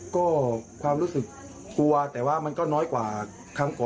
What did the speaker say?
ก็ความรู้สึกกลัวแต่ว่ามันก็น้อยกว่าครั้งก่อน